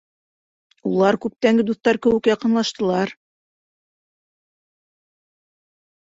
Улар күптәнге дуҫтар кеүек яҡынлаштылар.